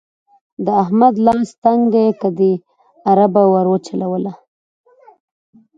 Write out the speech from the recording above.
د احمد لاس تنګ دی؛ که دې اربه ور وچلوله.